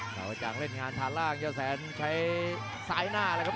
ขาวกระจ่างเล่นงานทางล่างยอดแสนใช้ซ้ายหน้าเลยครับ